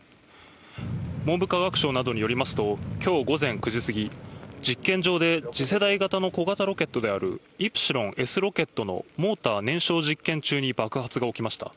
文部科学省などによりますと、きょう午前９時過ぎ、実験場で、次世代型の小型ロケットであるイプシロンＳロケットのモーター燃焼実験中に爆発が起きました。